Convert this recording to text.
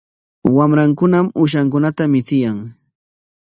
Wamrankunam uushankunata michiyan.